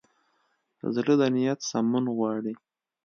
زړه د نیت سمون غواړي.